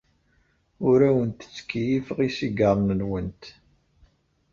Ur awent-ttkeyyifeɣ isigaṛen-nwent.